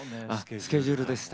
スケジュールでした。